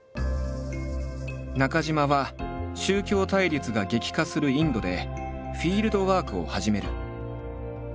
中島は宗教対立が激化するインドでフィールドワークを始める。